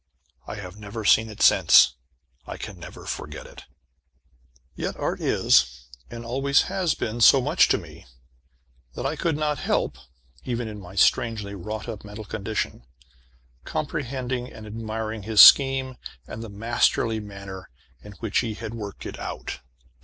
I have never seen it since. I can never forget it. Yet art is, and always has been, so much to me, that I could not help, even in my strangely wrought up mental condition, comprehending and admiring his scheme and the masterly manner in which he had worked it out.